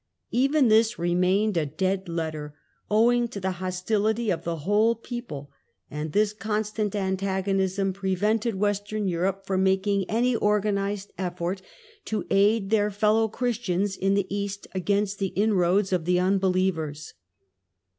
Even this remained a dead letter, owing to the hostility of the whole people, and this constant antagonism pre THE GREEK EMPIRE AND OTTOMAN TURKS 257 vented Western Europe from making any organised effort to aid their fellow Christians in the East against the in roads of the unbelievers.